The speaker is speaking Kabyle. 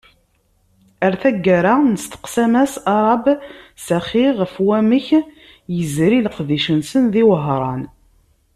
Ar taggara nesteqsa Mass Arab Sekhi ɣef wamek yezri leqdic-nsen di Wehran.